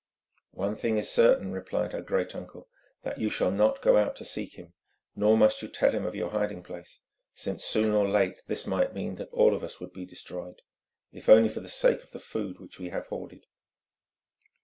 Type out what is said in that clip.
"One thing is certain," replied her great uncle: "that you shall not go out to seek him, nor must you tell him of your hiding place, since soon or late this might mean that all of us would be destroyed, if only for the sake of the food which we have hoarded."